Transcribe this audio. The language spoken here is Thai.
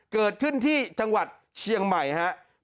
เกิดขึ้นที่จังหวัดเชียงใหม่ครับ